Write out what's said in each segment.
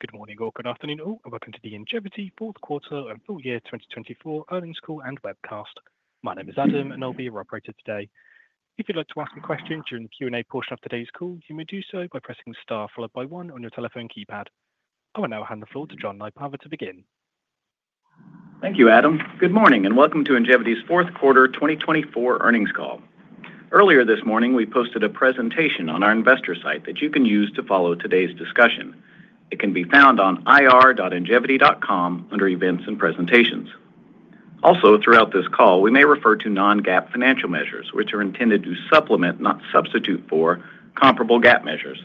Good morning or good afternoon, all. Welcome to the Ingevity fourth quarter and full year 2024 earnings call and webcast. My name is Adam, and I'll be your operator today. If you'd like to ask a question during the Q&A portion of today's call, you may do so by pressing star followed by one on your telephone keypad. I will now hand the floor to John Nypaver to begin. Thank you, Adam. Good morning and welcome to Ingevity's fourth quarter 2024 earnings call. Earlier this morning we posted a presentation on our investor site that you can use to follow today's discussion. It can be found on ir.ingevity.com under events and presentations. Also throughout this call we may refer to non-GAAP financial measures which are intended to supplement, not substitute for comparable GAAP measures.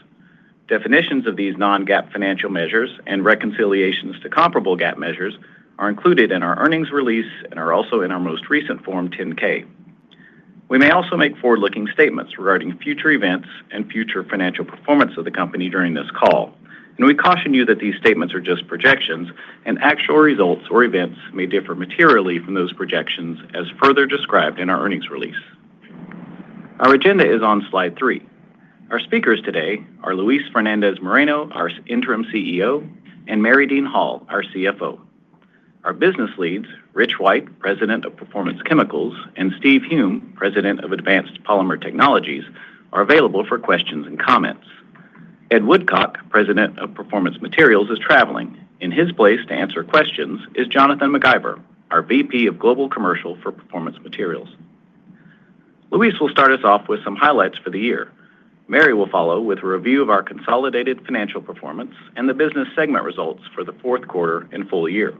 Definitions of these non-GAAP financial measures and reconciliations to comparable GAAP measures are included in our earnings release and are also in our most recent Form 10-K. We may also make forward-looking statements regarding future events and future financial performance of the company during this call and we caution you that these statements are just projections and actual results or events may differ materially from those projections as further described in our earnings release. Our agenda is on slide three. Our speakers today are Luis Fernandez-Moreno, our Interim CEO, and Mary Dean Hall, our CFO. Our business leads, Rich White, President of Performance Chemicals, and Steve Hulme, President of Advanced Polymer Technologies, are available for questions and comments. Ed Woodcock, President of Performance Materials, is traveling, in his place to answer questions is Jonathan MacIver, our VP of Global Commercial for Performance Materials. Luis will start us off with some highlights for the year. Mary will follow with a review of our consolidated financial performance and the business segment results for the fourth quarter and full year.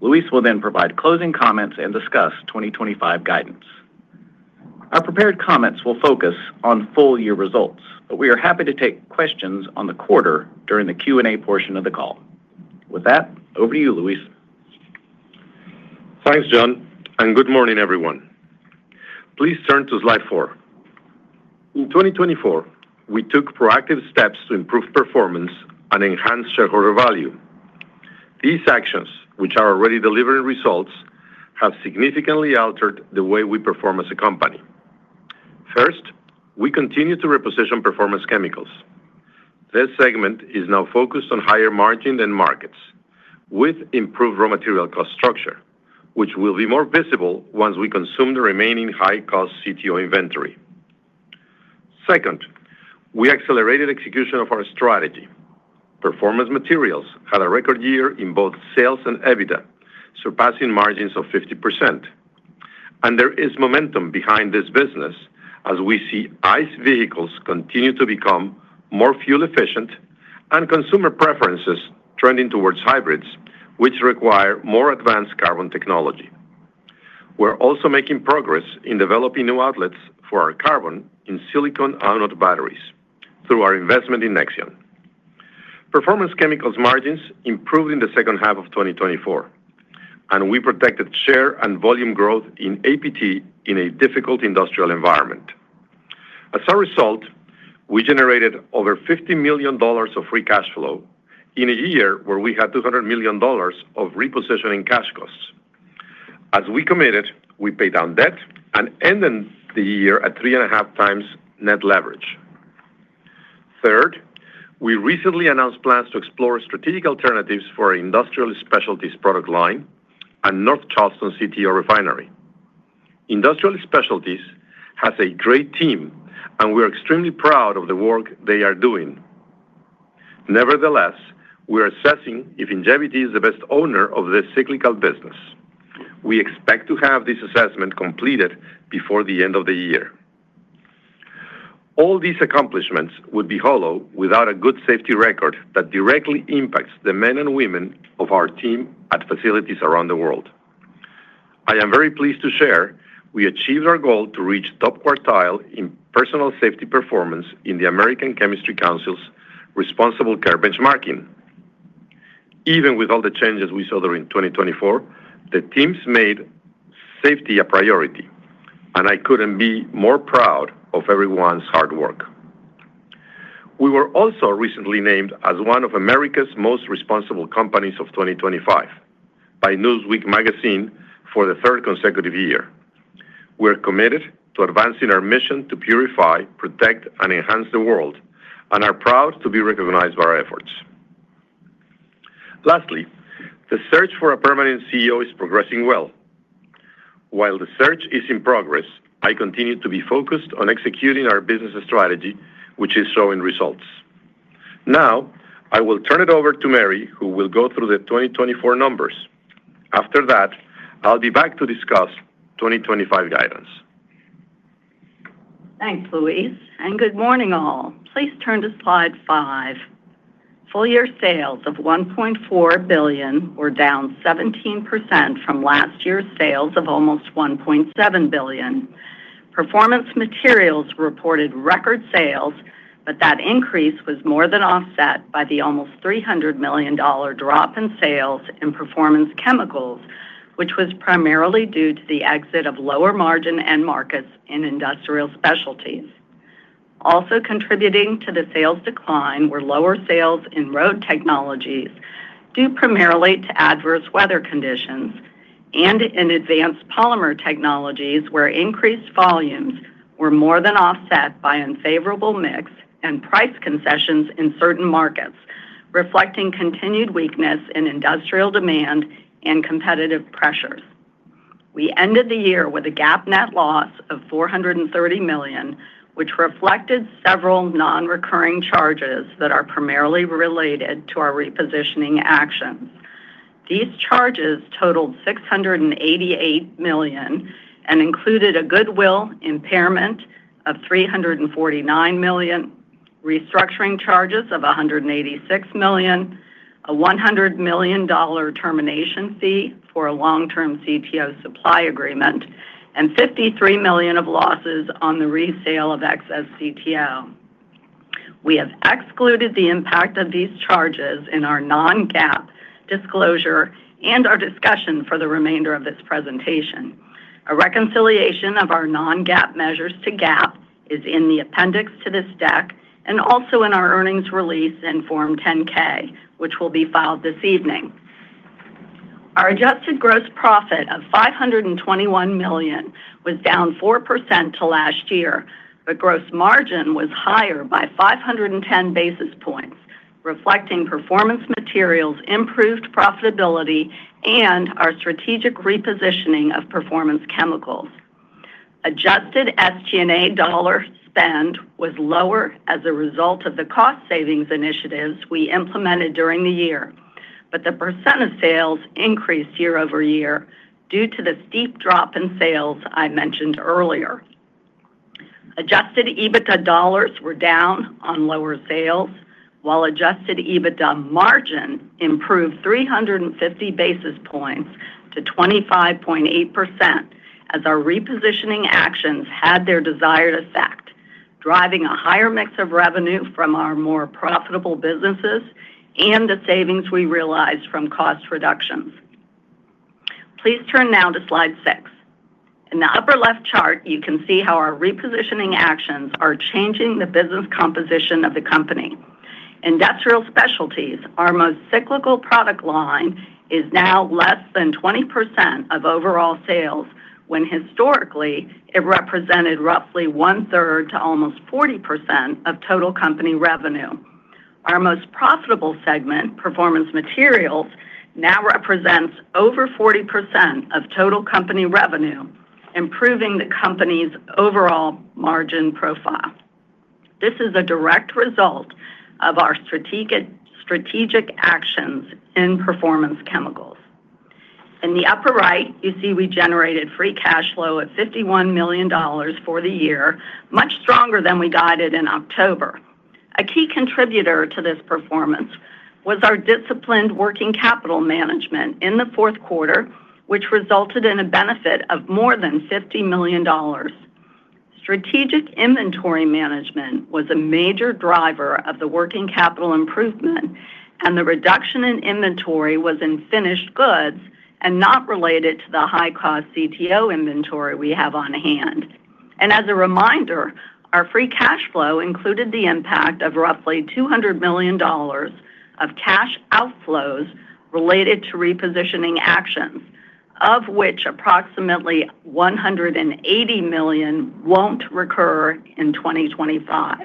Luis will then provide closing comments and discuss 2025 guidance. Our prepared comments will focus on full year results, but we are happy to take questions on the quarter during the Q&A portion of the call. With that, over to you Luis. Thanks John and good morning everyone. Please turn to slide four. In 2024 we took proactive steps to improve performance and enhance shareholder value. These actions, which are already delivering results, have significantly altered the way we perform as a company. First, we continue to reposition Performance Chemicals. This segment is now focused on higher-margin markets with improved raw material cost structure which will be more visible once we consume the remaining high-cost CTO inventory. Second, we accelerated execution of our strategy. Performance Materials had a record year in both sales and EBITDA surpassing margins of 50%. And there is momentum behind this business as we see ICE vehicles continue to become more fuel-efficient and consumer preferences trending towards hybrids which require more advanced carbon technology. We're also making progress in developing new outlets for our carbon, in silicon anode batteries through our investment in Nexeon. Performance Chemicals margins improved in the second half of 2024 and we protected share and volume growth in APT in a difficult industrial environment. As a result, we generated over $50 million of free cash flow in a year where we had $200 million of repositioning cash costs. As we committed, we paid down debt and ended the year at 3.5x net leverage. Third, we recently announced plans to explore strategic alternatives for our Industrial Specialties product line and North Charleston CTO Refinery. Industrial Specialties has a great team and we are extremely proud of the work they are doing. Nevertheless, we are assessing if Ingevity is the best owner of this cyclical business. We expect to have this assessment completed before the end of the year. All these accomplishments would be hollow without a good safety record that directly impacts the men and women of our team at facilities around the world. I am very pleased to share we achieved our goal to reach top quartile in personal safety performance in the American Chemistry Council's Responsible Care benchmarking. Even with all the changes we saw during 2024, the teams made safety a priority. And I couldn't be more proud of everyone's hard work. We were also recently named as one of America's Most Responsible Companies of 2025 by Newsweek Magazine for the third consecutive year. We are committed to advancing our mission to purify, protect and enhance the world and are proud to be recognized by our efforts. Lastly, the search for a permanent CEO is progressing well. While the search is in progress, I continue to be focused on executing our business strategy which is showing results now. I will turn it over to Mary who will go through the 2024 numbers. After that I'll be back to discuss 2025 guidance. Thanks, Luis, and good morning, all. Please turn to slide five. Full year sales of $1.4 billion were down 17% from last year's sales of almost $1.7 billion. Performance Materials reported record sales, but that increase was more than offset by the almost $300 million drop in sales in Performance Chemicals, which was primarily due to the exit of lower margin end markets in Industrial Specialties. Also contributing to the sales decline were lower sales in Road Technology due primarily to adverse weather conditions and in Advanced Polymer Technologies where increased volumes were more than offset by unfavorable mix and price concessions in certain markets, reflecting continued weakness in industrial demand and competitive pressures. We ended the year with a GAAP net loss of $430 million, which reflected several non-recurring charges that are primarily related to our repositioning action. These charges totaled $688 million and included a goodwill impairment of $349 million, restructuring charges of $186 million. A $100 million termination fee for a long-term CTO supply agreement and $53 million of losses on the resale of excess CTO. We have excluded the impact of these charges in our non-GAAP disclosure and our discussion for the remainder of this presentation. A reconciliation of our non-GAAP measures to GAAP is in the appendix to this deck and also in our earnings release and Form 10-K which will be filed this evening. Our adjusted gross profit of $521 million was down 4% to last year, but gross margin was higher by 510 basis points reflecting Performance Materials, improved profitability and our strategic repositioning of Performance Chemicals. Adjusted SG&A dollar spend was lower as a result of the cost savings initiatives we implemented during the year, but the percent of sales increased year-over-year due to the steep drop in sales I mentioned earlier. Adjusted EBITDA dollars were down on lower sales while adjusted EBITDA margin improved 350 basis points to 25.8% as our repositioning actions had their desired effect, driving a higher mix of revenue from our more profitable businesses and the savings we realized from cost reductions. Please turn now to slide six in the upper left chart. You can see how our repositioning actions are changing the business composition of the company. Industrial Specialties, our most cyclical product line, is now less than 20% of overall sales when historically it represented roughly 1/3 to almost 40% of total company revenue. Our most profitable segment, Performance Materials, now represents over 40% of total company revenue, improving the company's overall margin profile. This is a direct result of our strategic actions in Performance Chemicals. In the upper right, you see we generated free cash flow at $51 million for the year, much stronger than we guided in October. A key contributor to this performance was our disciplined working capital management in the fourth quarter, which resulted in a benefit of more than $50 million. Strategic inventory management was a major driver of the working capital improvement, and the reduction in inventory was in finished goods and not related to the high-cost CTO inventory we have on hand. As a reminder, our free cash flow included the impact of roughly $200 million of cash outflows related to repositioning actions, of which approximately $180 million won't recur in 2025.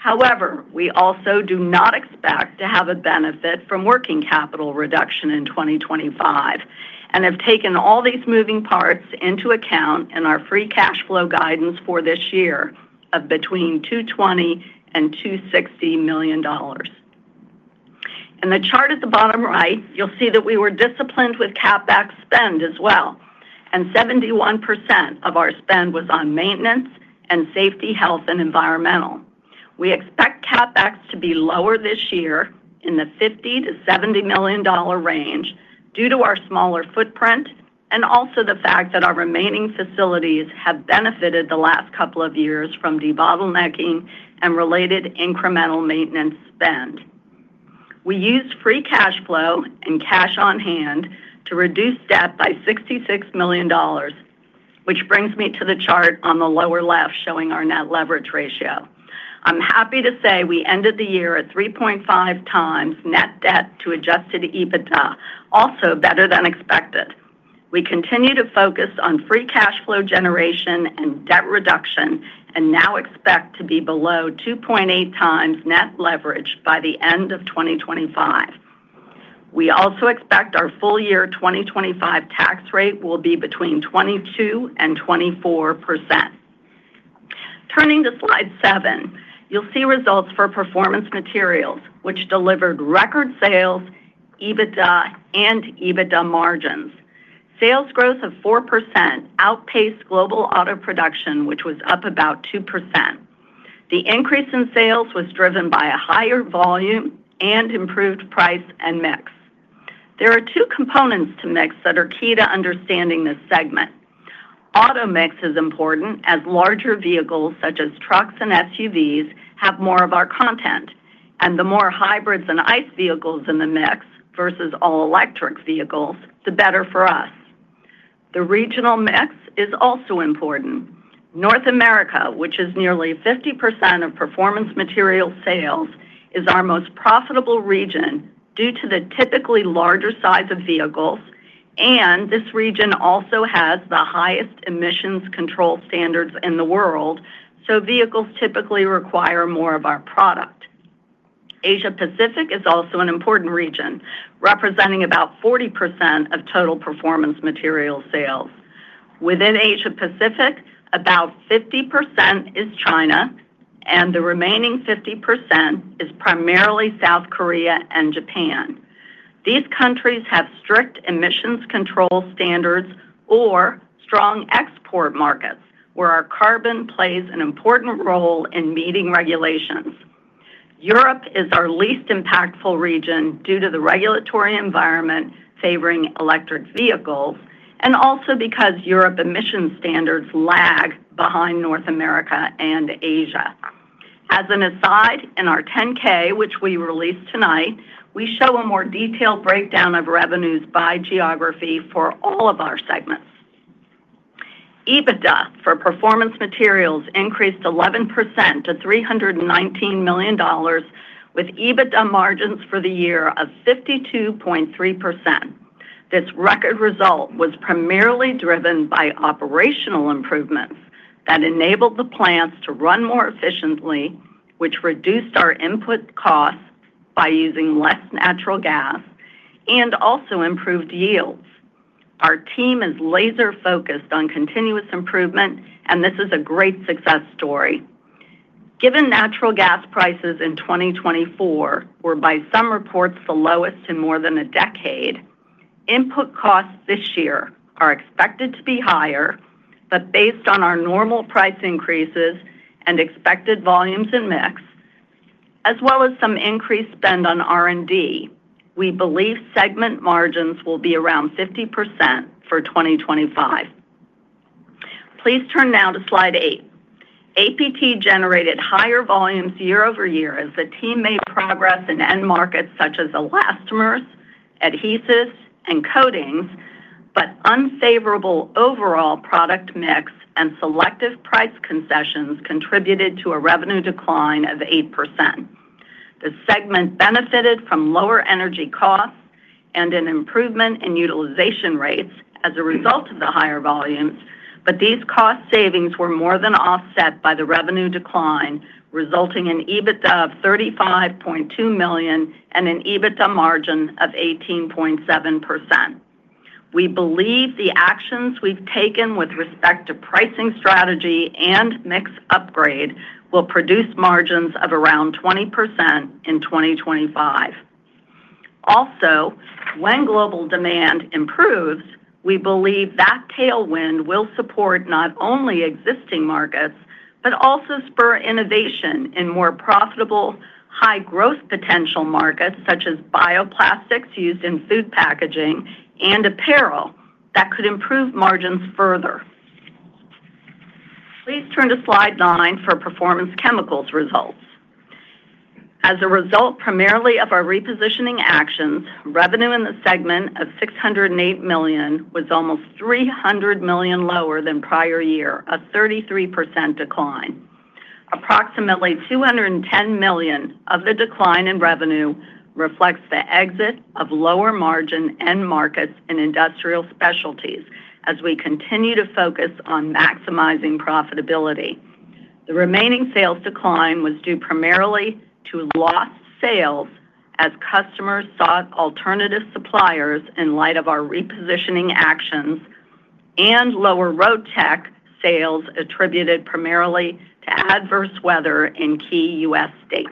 However, we also do not expect to have a benefit from working capital reduction in 2025 and have taken all these moving parts into account in our free cash flow guidance for this year of between $220 million and $260 million. In the chart at the bottom right, you'll see that we were disciplined with CapEx spend as well and 71% of our spend was on maintenance and safety, health and environmental. We expect CapEx to be lower this year in the $50 million-$70 million range due to our smaller footprint and also the fact that our remaining facilities have benefited the last couple of years from debottlenecking and related incremental maintenance spend. We used free cash flow and cash on hand to reduce debt by $66 million, which brings me to the chart on the lower left showing our net leverage ratio. I'm happy to say we ended the year at 3.5x net debt to adjusted EBITDA, also better than expected. We continue to focus on free cash flow generation and debt reduction and now expect to be below 2.8x net leverage by the end of 2025. We also expect our full year 2025 tax rate will be between 22% and 24%. Turning to slide seven, you'll see results for Performance Materials which delivered record sales, EBITDA and EBITDA margins. Sales growth of 4% outpaced global auto production which was up about 2%. The increase in sales was driven by a higher volume and improved price and mix. There are two components to mix that are key to understanding this segment. Auto mix is important as larger vehicles such as trucks and SUVs have more of our content and the more hybrids and ICE vehicles in the mix versus all-electric vehicles, the better for us. The regional mix is also important. North America, which is nearly 50% of Performance Materials sales, is our most profitable region due to the typically larger size of vehicles and this region also has the highest emissions control standards in the world, so vehicles typically require more of our product. Asia Pacific is also an important region representing about 40% of total Performance Materials sales within Asia Pacific. About 50% is China and the remaining 50% is primarily South Korea and Japan. These countries have strict emissions control standards or strong export markets where our carbon plays an important role in meeting regulations. Europe is our least impactful region due to the regulatory environment favoring electric vehicles and also because Europe emission standards lag behind North America and Asia. As an aside in our 10-K which we released tonight, we show a more detailed breakdown of revenues by geography for all of our segments. EBITDA for Performance Materials increased 11% to $319 million with EBITDA margins for the year of 52.3%. This record result was primarily driven by operational improvement that enabled the plants to run more efficiently, which reduced our input costs by using less natural gas and also improved yields. Our team is laser focused on continuous improvement and this is a great success story. Given natural gas prices in 2024 were by some reports the lowest in more than a decade. Input costs this year are expected to be higher, but based on our normal price increases and expected volumes and mix as well as some increased spend on R&D,. We believe segment margins will be around 50% for 2025. Please turn now to slide eight. APT generated higher volumes year-over-year as the team made progress in end markets such as elastomers, adhesives and coatings, but unfavorable overall product mix and selective price concessions contributed to a revenue decline of 8%. The segment benefited from lower energy costs and an improvement in utilization rates as a result of the higher volumes, but these cost savings were more than offset by the revenue decline resulting in EBITDA of $35.2 million and an EBITDA margin of 18.7%. We believe the actions we've taken with respect to pricing strategy and mix upgrade will produce margins of around 20% in 2025. Also, when global demand improves, we believe that tailwind will support not only existing markets but also spur innovation in more profitable high growth potential markets such as bioplastics used in food packaging and apparel that could improve margins further. Please turn to slide nine for Performance Chemicals results. As a result primarily of our repositioning actions, revenue in the segment of $608 million was almost $300 million lower than prior year, a 33% decline. Approximately $210 million of the decline in revenue reflects the exit of lower margin end markets in Industrial Specialties as we continue to focus on maximizing profitability. The remaining sales decline was due primarily to lost sales as customers sought alternative suppliers in light of our repositioning actions and lower Road Tech sales attributed primarily to adverse weather in key U.S. states.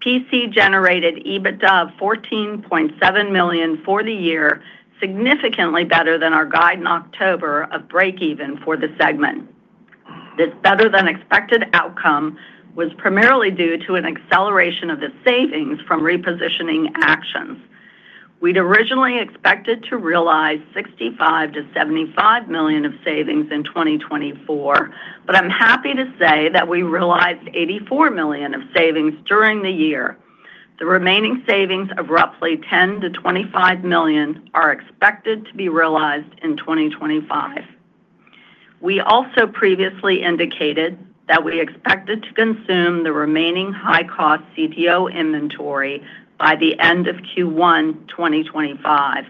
PC generated EBITDA of $14.7 million for the year, significantly better than our guide in October of break even for the segment. This better than expected outcome was primarily due to an acceleration of the savings from repositioning actions. We'd originally expected to realize $65 million-$75 million of savings in 2024, but I'm happy to say that we realized $84 million of savings during the year. The remaining savings of roughly $10 million-$25 million are expected to be realized in 2025. We also previously indicated that we expected to consume the remaining high cost CTO inventory by the end of Q1 2025,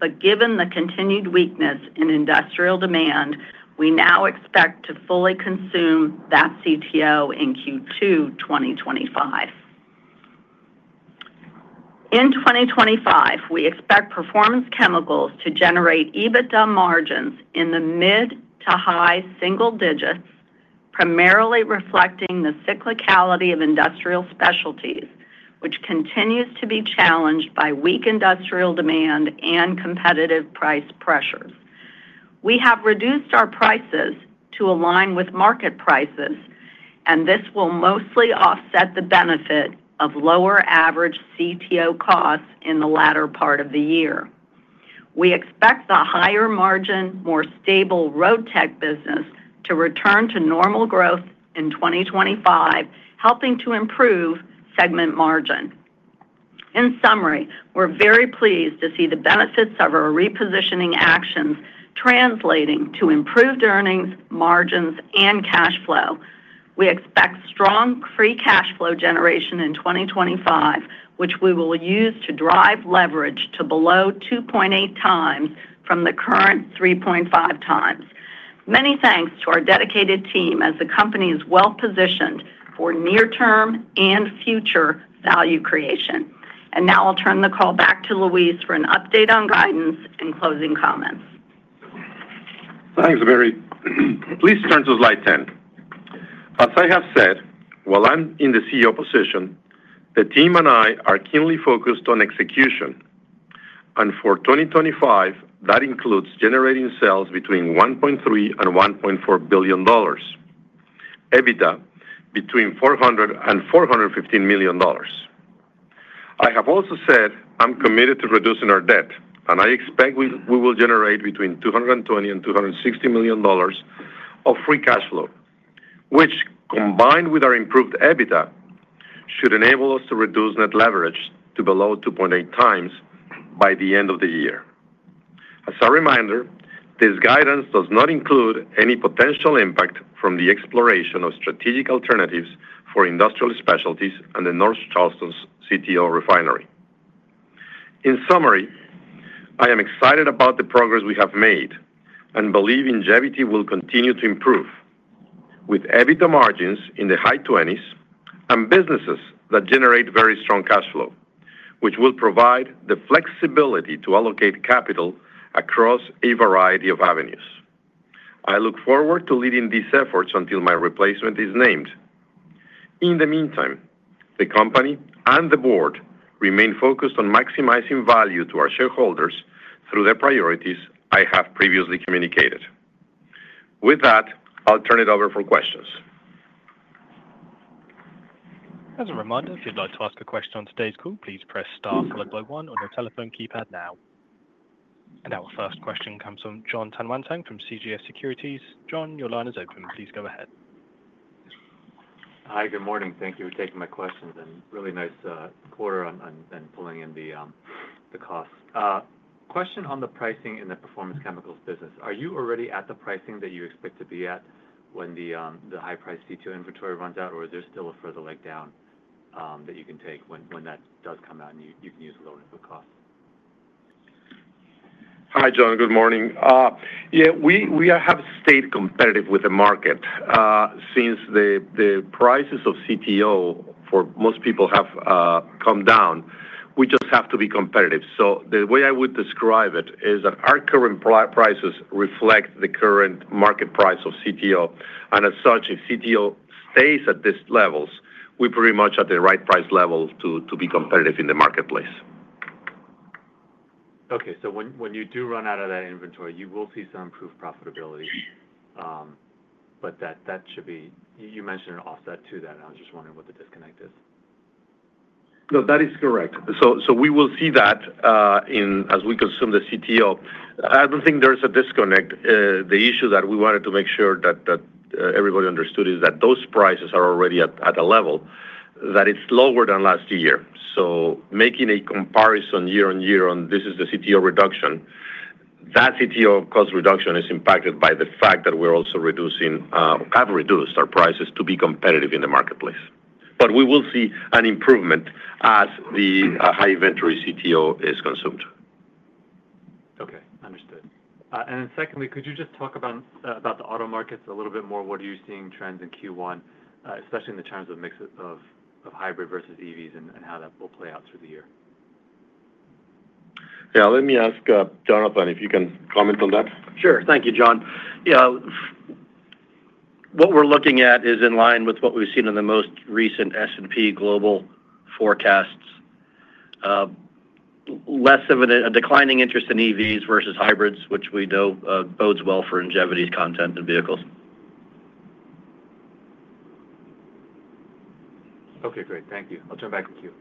but given the continued weakness in industrial demand, we now expect to fully consume that CTO in Q2 2025. In 2025 we expect Performance Chemicals to generate EBITDA margins in the mid to high single-digits, primarily reflecting the cyclicality of Industrial Specialties which continues to be challenged by weak industrial demand and competitive price pressures. We have reduced our prices to align with market prices and this will mostly offset the benefit of lower average CTO costs in the latter part of the year. We expect the higher margin more stable Road Tech business to return to normal growth in 2025, helping to improve segment margin. In summary, we're very pleased to see the benefits of our repositioning actions translating to improved earnings, margins and cash flow. We expect strong free cash flow generation in 2025 which we will use to drive leverage to below 2.8x from the current 3.5x. Many thanks to our dedicated team as the company is well positioned for near term and future value creation. And now I'll turn the call back to Luis for an update on guidance and closing comments. Thanks Mary. Please turn to slide 10. As I have said, while I'm in the CEO position, the team and I are keenly focused on execution and for 2025 that includes generating sales between $1.3 billion-$1.4 billion, EBITDA between $400 million-$415 million. I have also said I'm committed to reducing our debt and I expect we will generate between $220 million-$260 million free cash flow which combined with our improved EBITDA should enable us to reduce net leverage to below 2.8x by the end of the year. As a reminder, this guidance does not include any potential impact from the exploration of strategic alternatives for Industrial Specialties and the North Charleston CTO Refinery. In summary, I am excited about the progress we have made and believe Ingevity will continue to improve with EBITDA margins in the high 20s and businesses that generate very strong cash flow which will provide the flexibility to allocate capital across a variety of avenues. I look forward to leading these efforts until my replacement is named. In the meantime, the company and the board remain focused on maximizing value to our shareholders through their priorities. I have previously communicated that. I'll turn it over for questions. As a reminder, if you'd like to ask a question on today's call, please press star followed by one on your telephone keypad now. And our first question comes from Jon Tanwanteng from CJS Securities. Jon, your line is open. Please go ahead. Hi, good morning. Thank you for taking my questions. Really nice quarter and pulling in the costs. Question on the pricing in the Performance Chemicals business. Are you already at the pricing that you expect to be at when the high priced CTO inventory runs out or is there still a further leg down that you can take when that does come out and you can use low input costs? Hi, Jon. Good morning. We have stayed competitive with the market since the prices of CTO for most people have come down. We just have to be competitive. The way I would describe it is that our current prices reflect the current market price of CTO. And as such, if CTO stays at these levels, we're pretty much at the right price level to be competitive in the marketplace. Okay. So when you do run out of that inventory, you will see some improved profitability. But that should be. You mentioned an offset to that. I was just wondering what the disconnect is. That is correct. So we will see that as we consume the CTO. I don't think there is a disconnect. The issue that we wanted to make sure that everybody understood is that those prices are already at a level that it's lower than last year. So making a comparison year on year on this is the CTO reduction. That CTO cost reduction is impacted by the fact that we're also have reduced our prices to be competitive in the marketplace. But we will see an improvement as the high inventory CTO is consumed. Okay, understood. Then secondly, could you just talk about the auto markets a little bit more? What trends are you seeing in Q1, especially in terms of mix of hybrid versus EVs and how that plays out through the year? Yeah. Let me ask Jonathan if you can comment on that. Sure. Thank you, Jon. What we're looking at is in line with what we've seen in the most. Recent S&P Global forecasts. Less of a declining interest in EVs versus hybrids, which we know bodes well for Ingevity content in vehicles. Okay, great. Thank you. I'll turn back to queue.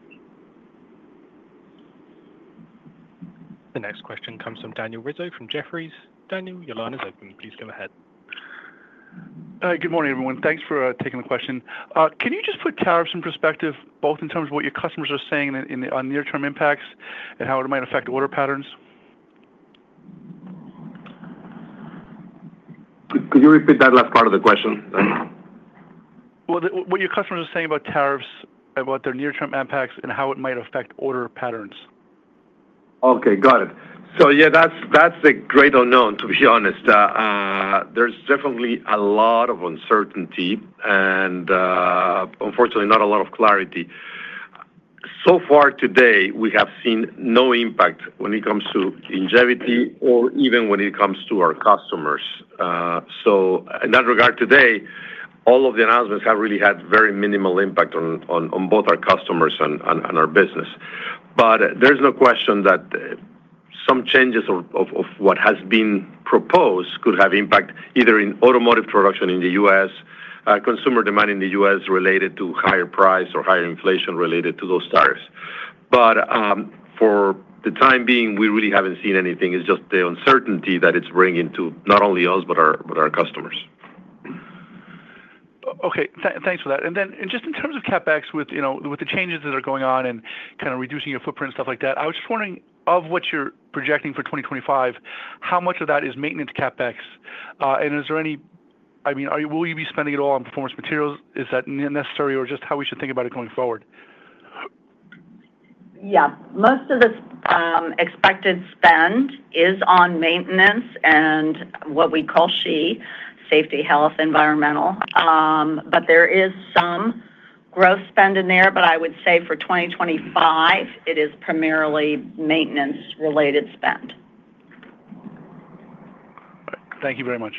The next question comes from Daniel Rizzo from Jefferies. Daniel, your line is open. Please go ahead. Good morning, everyone. Thanks for taking the question. Can you just put tariffs in perspective both in terms of what your customers are saying on near term impacts and how it might affect order patterns? Could you repeat that last part of the question? Well, what your customers are saying about tariffs, about their near-term impacts and how it might affect order patterns? Okay, got it. So yeah, that's the great unknown, to be honest. There's definitely a lot of uncertainty and unfortunately not a lot of clarity. So far today we have seen no impact when it comes to Ingevity or even when it comes to our customers. So in that regard today, all of the announcements have really had very minimal impact on both our customers and our business. But there's no question that some changes of what has been proposed could have impact either in automotive production in the U.S. consumer demand in the U.S. related to higher price or higher inflation related to those tariffs. But for the time being, we really haven't seen anything. It's just the uncertainty that it's bringing to not only us, but our customers. Okay, thanks for that. And then just in terms of CapEx with, you know, with the changes that are going on and kind of reducing your footprint, stuff like that, I was just wondering of what you're projecting for 2025, how much of that is maintenance CapEx and is there any, I mean will you be spending it all on Performance Materials? Is that necessary or just how we should think about it going forward? Yeah, most of the expected spend is on maintenance and what we call SHE safety, health, environmental. But there is some growth spend in there. But I would say for 2025 it is primarily maintenance related spend. Thank you very much.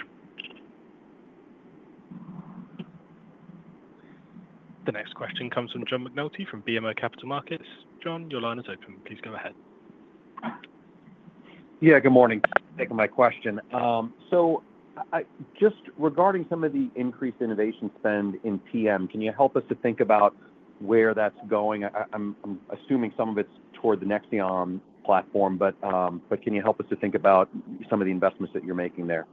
The next question comes from John McNulty from BMO Capital Markets. John, your line is open. Please go ahead. Yeah, good morning. Taking my question. So. So just regarding some of the increased innovation spend in PM, can you help us to think about where that's going? I'm assuming some of it's toward the Nexeon platform, but can you help us to think about some of the investments that you're making there?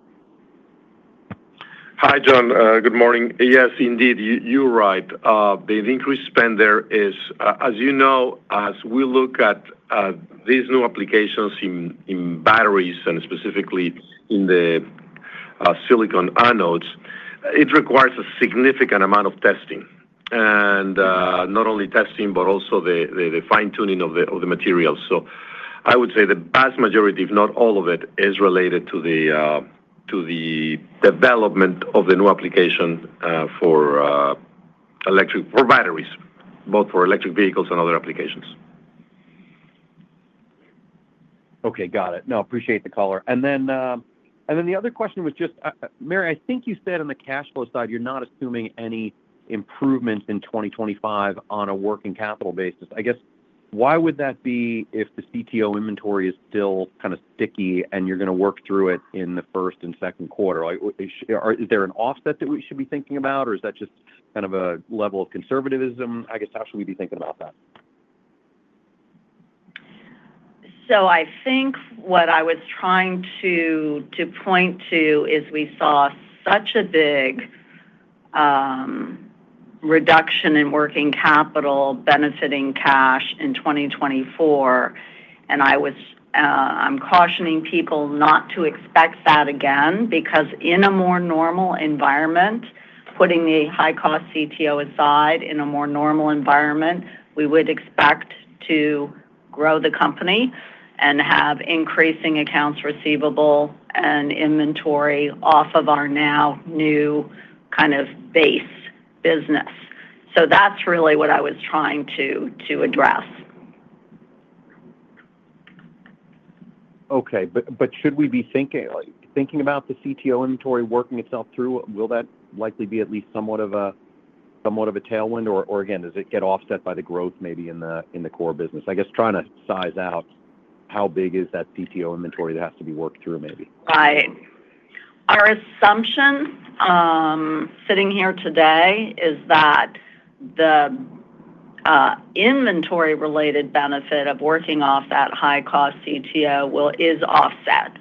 Hi John, good morning. Yes, indeed, you're right. The increased spend there is, as you know, as we look at these new applications in batteries and specifically in the silicon anodes, it requires a significant amount of testing. And not only testing, but also the fine tuning of the materials. So I would say the vast majority, if not all of it is related to the development of the new application for. Batteries, both for electric vehicles and other applications. Okay, got it. No, I appreciate the color. And then the other question was just Mary. I think you said on the cash flow side, you're not assuming any improvements in 2025 on a working capital basis? I guess why would that be if the CTO inventory is still kind of sticky and you're going to work through it in the first and second quarter, is there an offset that we should be thinking about or is that just kind of a level of conservatism? I guess how should we be thinking about that? So I think what I was trying to point to is we saw such a big reduction in working capital benefiting cash in 2024. And I was I'm cautioning people not to expect that again because in a more normal environment, putting the high cost CTO aside, in a more normal environment, we would expect to grow the company and have increasing accounts receivable and inventory off of our now new kind of base business. So that's really what I was trying to address. Okay, but should we be thinking about the CTO inventory working itself through, will that likely be at least somewhat of a tailwind or again, does it get offset by the growth maybe in the core business, I guess, trying to size out how big is that CTO inventory that has to be worked through? Maybe. Right. Our assumption sitting here today is that the inventory related benefit of working off that high cost CTO is offset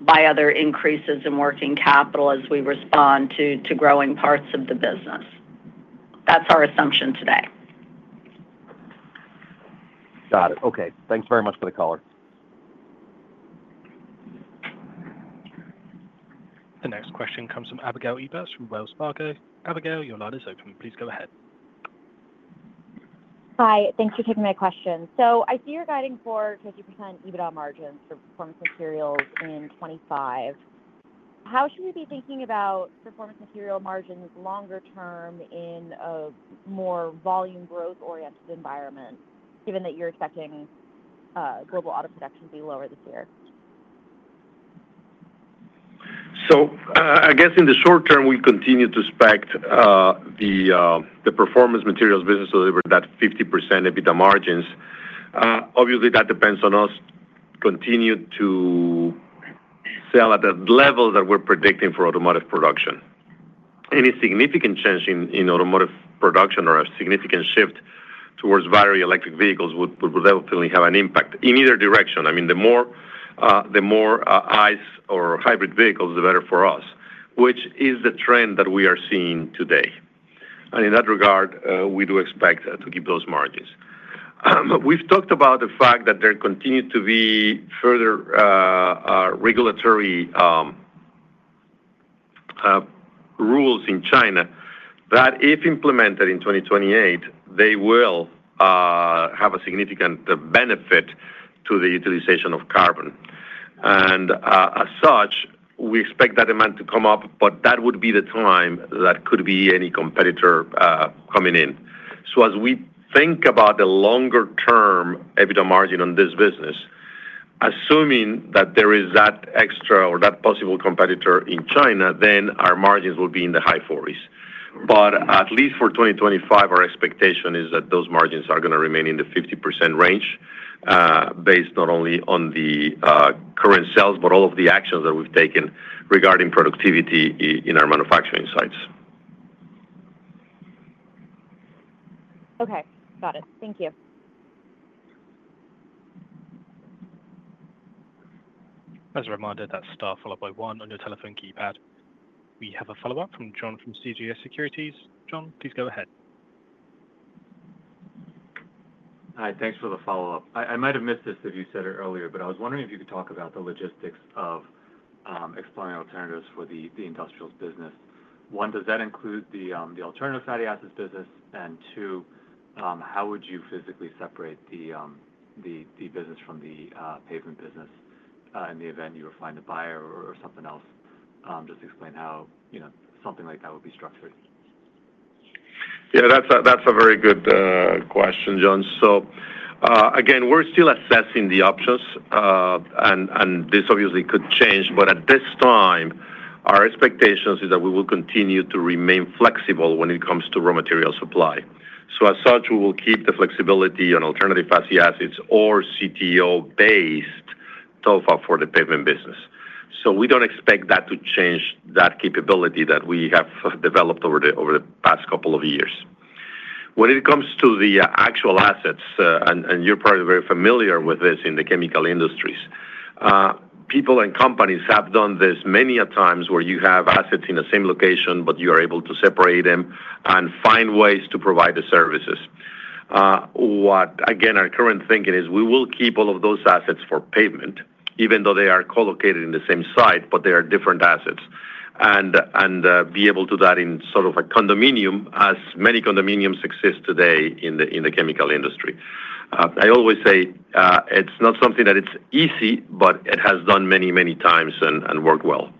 by other increases in working capital as we respond to growing parts of the business. That's our assumption today. Got it. Okay, thanks very much for the color. The next question comes from Abigail Eberts from Wells Fargo. Abigail, your line is open. Please go ahead. Hi, thanks for taking my question. So I see you're guiding for 24% EBITDA margins for Performance Materials in 2025. How should we be thinking about Performance Materials margins longer term in a more volume growth oriented environment, given that you're expecting global auto production to be lower this year? So I guess in the short term we continue to expect the Performance Materials business delivered that 50% EBITDA margins. Obviously that depends on us continue to sell at the level that we're predicting for automotive production. Any significant change in automotive production or a significant shift towards battery electric vehicles would definitely have an impact in either direction. I mean, the more ICE or hybrid vehicles, the better for us, which is the trend that we are seeing today. And in that regard we do expect to keep those margins. We've talked about the fact that there continue to be further regulatory rules in China that if implemented in 2028, they will have a significant benefit to the utilization of carbon. And as such, we expect that demand to come up, but that would be the time that could be any competitor coming in. So as we think about the longer term EBITDA margin on this business, assuming that there is that extra or that possible competitor in China, then our margins will be in the high 40s. But at least for 2025, our expectation is that those margins are going to remain in the 50% range based not only on the current sales but all of the actions that we've taken regarding productivity in our manufacturing sites. Okay, got it. Thank you. As a reminder, that's star followed by one on your telephone keypad we have a follow-up from Jon from CJS Securities. Jon, please go ahead. Hi, thanks for the follow up. I might have missed this if you said it earlier, but I was wondering if you could talk about the logistics of exploring alternatives for the Industrials business. One, does that include the alternative fatty acids business and two, how would you physically separate the business from the pavement business in the event you find a buyer or something else? Just explain how something like that would be structured. Yeah, that's a very good question, Jon, so again we're still assessing the options and this obviously could change but at this time our expectations is that we will continue to remain flexible when it comes to raw material supply, so as such we will keep the flexibility on alternative fatty acids or CTO based TOFA for the pavement business, so we don't expect that to change that capability that we have developed over the past couple of years when it comes to the actual assets, and you're probably very familiar with this in the chemical industries. People and companies have done this many a times where you have assets in the same location but you are able to separate them and find ways to provide the services. Again, our current thinking is we will keep all of those assets for pavement even though they are co-located in the same site, but they are different assets and be able to do that in sort of a condominium, as many condominiums exist today in the chemical industry. I always say it's not something that's easy but it has been done many, many times and worked well.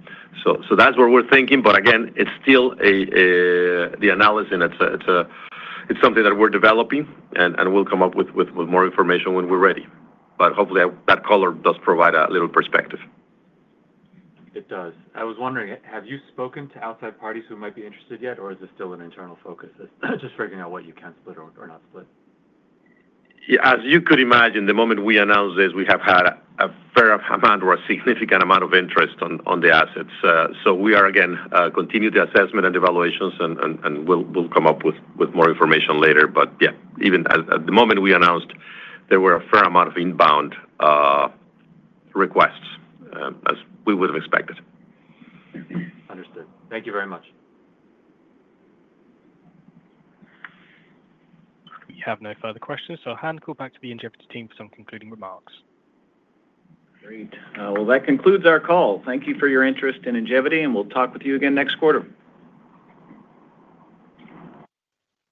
So that's where we're thinking. But again it's still the analysis. It's something that we're developing and we'll come up with more information when we're ready. But hopefully that color does provide a little perspective. It does. I was wondering, have you spoken to outside parties who might be interested yet or is this still an internal first focus just figuring out what you can split or not split. As you could imagine the moment we announced this, we have had a fair amount or a significant amount of interest on the assets, so we are again continue the assessment and evaluations and we'll come up with more information later, but, yeah, even at the moment we announced, there were a fair amount of inbound requests, as we would have expected. Understood. Thank you very much. We have no further questions, so I'll hand the call back to the Ingevity team for some concluding remarks. Great. That concludes our call. Thank you for your interest in Ingevity, and we'll talk with you again next quarter.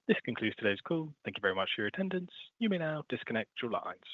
This concludes today's call. Thank you very much for your attendance. You may now disconnect your lines.